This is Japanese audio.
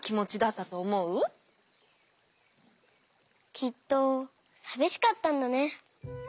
きっとさびしかったんだね。